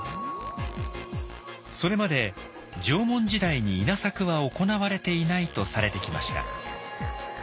それまで縄文時代に稲作は行われていないとされてきました。